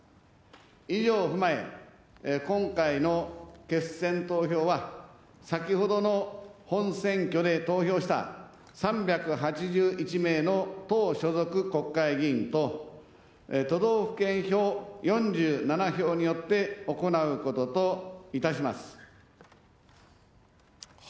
以上を踏まえ、今回の決選投票は先ほどの本選挙で投票した３８１名の党所属国会議員と、都道府県票４７票によって行うことといたします。